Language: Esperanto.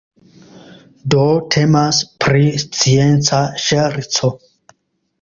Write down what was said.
Do temas pri scienca ŝerco.